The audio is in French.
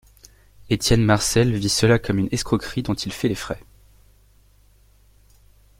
Étienne Marcel vit cela comme une escroquerie dont il fait les frais.